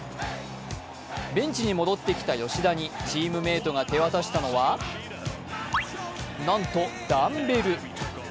ベンチに戻ってきた吉田にチームメートが手渡したのはなんとダンベル。